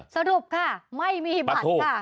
สรุปค่ะไม่มีบัตรค่ะ